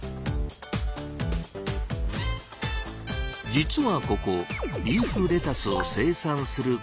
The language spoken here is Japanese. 実はここリーフレタスを生産する工場なんです。